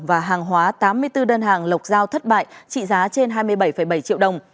và hàng hóa tám mươi bốn đơn hàng lộc giao thất bại trị giá trên hai mươi bảy bảy triệu đồng